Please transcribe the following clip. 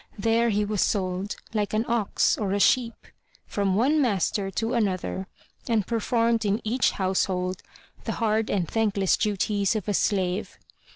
There he was sold, like an ox or a sheep, from one master to another and performed in each household the hard and thankless duties of a slave.